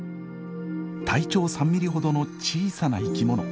体長３ミリほどの小さな生き物。